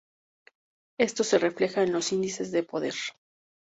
Esto se refleja en los índices de poder.